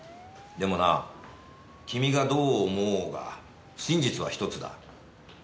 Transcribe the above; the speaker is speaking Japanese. でもな君がどう思おうが真実は一つだ。